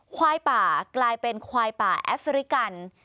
ควายป่ากลายเป็นควายป่าแอฟริกัน